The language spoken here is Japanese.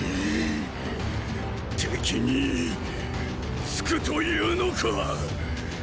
敵につくと言うのか！